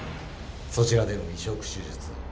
そちらでの移植手術を。